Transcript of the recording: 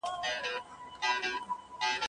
د يوسف عليه السلام قصې ته امتياز ورکول سوی دی.